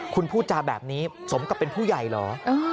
คุณพูดจาแบบนี้สมกับเป็นผู้ใหญ่เหรอ